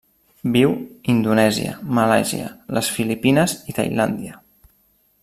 Viu Indonèsia, Malàisia, les Filipines i Tailàndia.